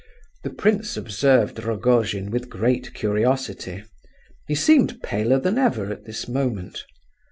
The prince observed Rogojin with great curiosity; he seemed paler than ever at this moment.